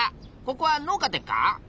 ここは農家でっか？